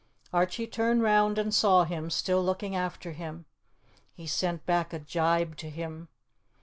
Archie turned round and saw him still looking after him. He sent back a gibe to him.